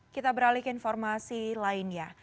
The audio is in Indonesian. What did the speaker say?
kita beralih ke informasi lainnya